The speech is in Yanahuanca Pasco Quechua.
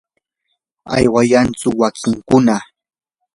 ¿aywayashku wakinkuna?